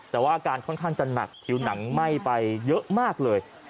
แต่ว่าอาการค่อนข้างจะหนักผิวหนังไหม้ไปเยอะมากเลย